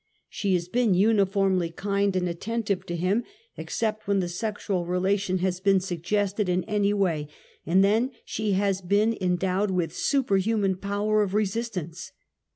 She has been / uniformly kind and attentive to him except when the I sexual relation has been suggested in any way, and then she has been endowed with superhuman power of resistance.